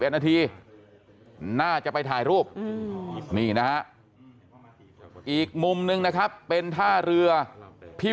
นาทีน่าจะไปถ่ายรูปนี่นะฮะอีกมุมนึงนะครับเป็นท่าเรือพี่